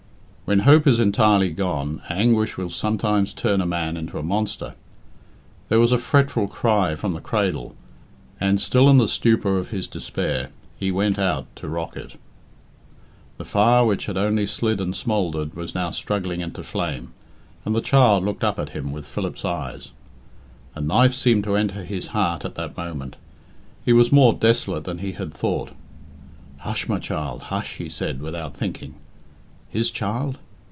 When hope is entirely gone, anguish will sometimes turn a man into a monster. There was a fretful cry from the cradle, and, still in the stupor of his despair, he went out to rock it. The fire, which had only slid and smouldered, was now struggling into flame, and the child looked up at him with Philip's eyes. A knife seemed to enter his heart at that moment. He was more desolate than he had thought. "Hush, my child, hush!" he said, without thinking. His child?